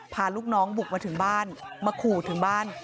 พาลูกน้องบุกมาถึงบ้านมาขู่ถึงบ้าน